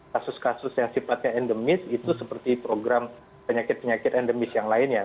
kasus kasus yang sifatnya endemis itu seperti program penyakit penyakit endemis yang lainnya